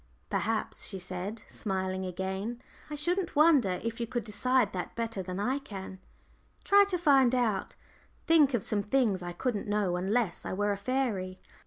"Perhaps," she said, smiling again. "I shouldn't wonder if you could decide that better than I can. Try to find out think of some things I couldn't know unless I were a fairy."